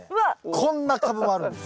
こんなカブもあるんです。